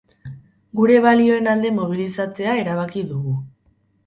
Gure balioen alde mobilizatzea erabaki dugu.